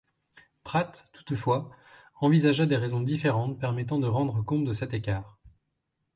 Pratt, toutefois, envisagea des raisons différentes permettant de rendre compte de cet écart.